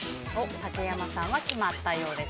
竹山さんは決まったようです。